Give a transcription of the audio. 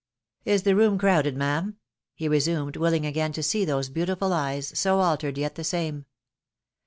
"Is the room crowded, ma'am?" he resumed, willing again to see those beautiful eyes, so altered, yet the same.